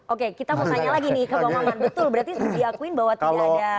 oke kita mau tanya lagi nih ke bang maman betul berarti diakuin bahwa tidak ada